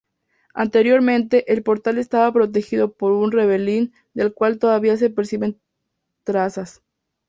Anteriormente, el portal estaba protegido por un revellín del cual todavía se perciben trazas.